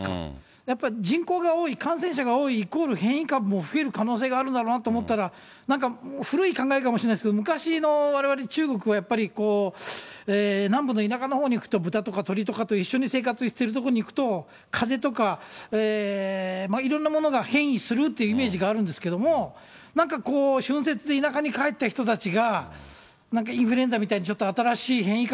やっぱり人口が多い、感染者が多いイコール変異株も増える可能性があるんだなと思ったら、なんか、古い考えかもしれないですけど、昔のわれわれ中国はやっぱりこう、南部の田舎のほうに行くと、豚とか、とりとかと一緒に生活してる所に行くと、かぜとかいろんなものが変異するというイメージがあるんですけれども、なんかこう、春節で田舎に帰った人たちが、インフルエンザみたいにちょっと新しい変異株、